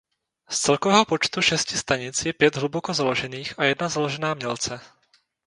Z celkového počtu šesti stanic je pět hluboko založených a jedna založená mělce.